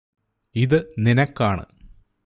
ഇത് നിനക്കാണ്